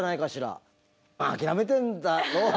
諦めてんだろうね。